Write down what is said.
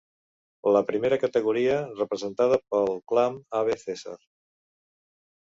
La primera categoria, representada pel clam Ave Cesar!